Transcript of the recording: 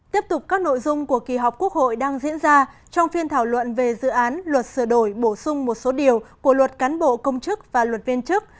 tiếp tục các nội dung của kỳ họp quốc hội đang diễn ra trong phiên thảo luận về dự án luật sửa đổi bổ sung một số điều của luật cán bộ công chức và luật viên chức